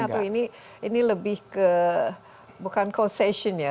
atau ini lebih ke bukan co session ya